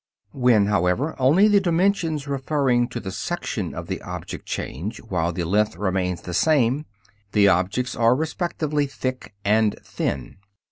When, however, only the dimensions referring to the section of the object change, while the length remains the same, the objects are respectively "thick" and "thin."